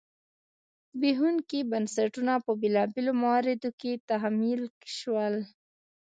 زبېښونکي بنسټونه په بېلابېلو مواردو کې تحمیل شول.